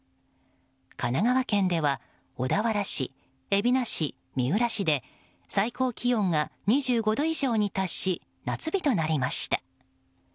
神奈川県では小田原市、海老名市、三浦市で最高気温が２５度以上に達し夏日となりました。